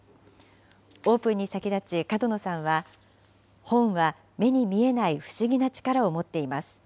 オープンに先立ち、角野さんは、本は目に見えない不思議な力を持っています。